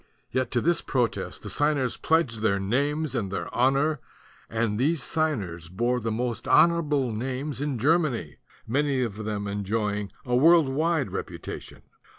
Yet to this protest the signers pledged their names and their honor; and these signers bore the most honorable names in Germany, many of them enjoying a world wide reputation.